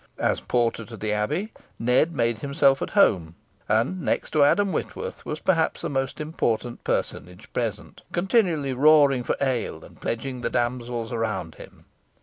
As porter to the Abbey, Ned made himself at home; and, next to Adam Whitworth, was perhaps the most important personage present, continually roaring for ale, and pledging the damsels around him.